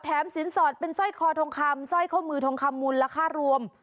แถมสินสอดเป็นสร้อยคอธงคำสร้อยข้อมือธงคำมุนราคารวม